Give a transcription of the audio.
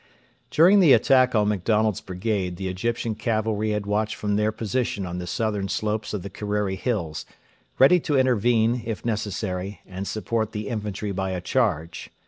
During the attack on MacDonald's brigade the Egyptian cavalry had watched from their position on the southern slopes of the Kerreri Hills, ready to intervene, if necessary, and support the infantry by a charge.